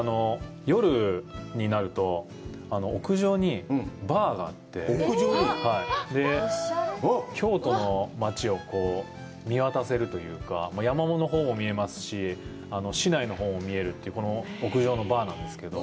夜になると屋上にバーがあって、京都の町を見渡せるというか、山のほうも見えますし、市内のほうも見えるというこの屋上のバーなんですけど。